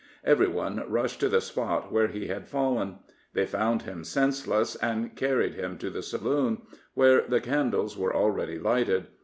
Every one rushed to the spot where he had fallen. They found him senseless, and carried him to the saloon, where the candles were already lighted.